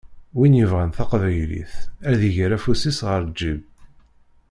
Win yebɣan taqbaylit ad iger afus-is ɣer lǧib.